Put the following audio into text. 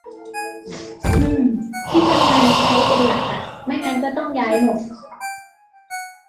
ฮือ ที่ทำงานใช้ เป็นหลักอะ ไม่งั้นก็ต้องย้ายหมด